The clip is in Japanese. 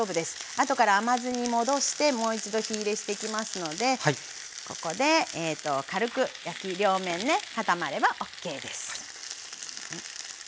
あとから甘酢に戻してもう一度火入れしていきますのでここで軽く両面ね固まればＯＫです。